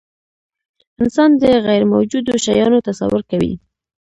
انسان د غیرموجودو شیانو تصور کوي.